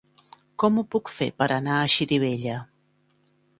Com ho puc fer per anar a Xirivella?